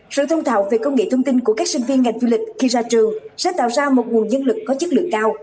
sự thông thạo về công nghệ thông tin của các sinh viên ngành du lịch khi ra trường sẽ tạo ra một nguồn nhân lực có chất lượng cao